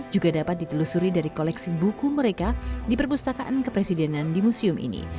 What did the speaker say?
juga dapat ditelusuri dari koleksi buku mereka di perpustakaan kepresidenan di museum ini